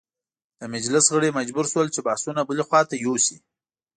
د مجلس غړي مجبور شول چې بحثونه بلې خواته یوسي.